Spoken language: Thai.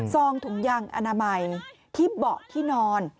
องถุงยางอนามัยที่เบาะที่นอน